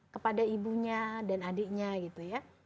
kepada ibunya dan adiknya gitu ya